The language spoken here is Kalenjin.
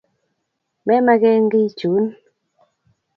Memakekiy chun